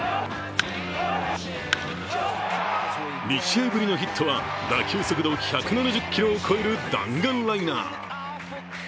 ２試合ぶりのヒットは打球速度１７０キロを超える弾丸ライナー。